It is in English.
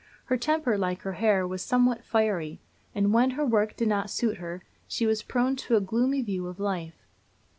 Her temper, like her hair, was somewhat fiery; and when her work did not suit her, she was prone to a gloomy view of life.